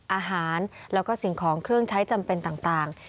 อาหารแล้วก็สิ่งของเครื่องใช้จำเป็นต่าง